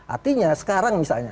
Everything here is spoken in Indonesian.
artinya sekarang misalnya